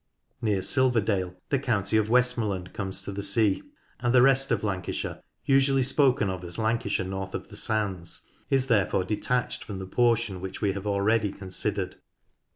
Near Silverdale the county of West morland comes to the sea, and the rest of Lancashire, LANCASHIRE AS A WHOLE usually spoken of as " Lancashire north of the sands," is therefore detached from the portion which we ha\ e already considered.